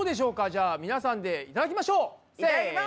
じゃあみなさんでいただきましょう！せの！